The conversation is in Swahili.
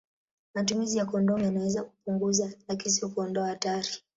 Matumizi ya kondomu yanaweza kupunguza, lakini si kuondoa hatari.